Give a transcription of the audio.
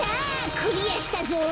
クリアしたぞ！